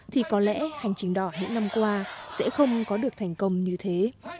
thì có lẽ hành trình đỏ những năm qua sẽ không có được thành công như thế